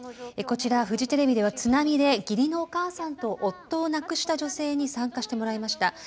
こちらフジテレビでは津波で義理のお母さんと夫を亡くした女性に参加してもらいました。